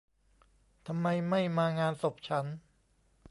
ทำไมไม่มางานศพฉัน